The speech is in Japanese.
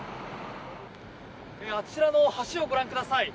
あちらの橋をご覧ください。